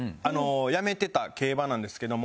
やめてた競馬なんですけども。